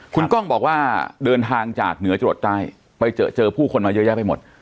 คุณก้องบอกว่าเดินทางจากเหนือจรดใต้ไปเจอเจอผู้คนมาเยอะแยะไปหมด